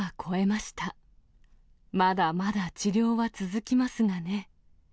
まだまだ治療は続きますがね。